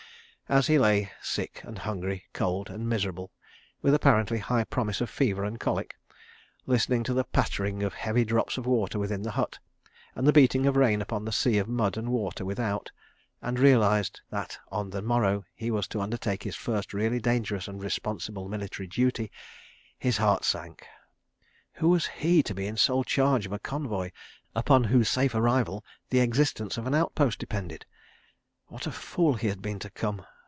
... As he lay sick and hungry, cold and miserable, with apparently high promise of fever and colic, listening to the pattering of heavy drops of water within the hut, and the beating of rain upon the sea of mud and water without, and realised that on the morrow he was to undertake his first really dangerous and responsible military duty, his heart sank. ... Who was he to be in sole charge of a convoy upon whose safe arrival the existence of an outpost depended? What a fool he had been to come!